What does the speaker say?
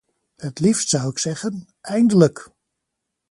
Het liefst zou ik zeggen: eindelijk!